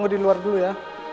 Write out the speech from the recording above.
ayolah semua ya